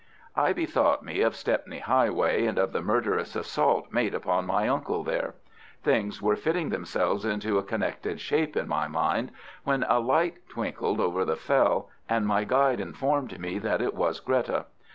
I bethought me of Stepney Highway and of the murderous assault made upon my uncle there. Things were fitting themselves into a connected shape in my mind when a light twinkled over the fell, and my guide informed me that it was Greta.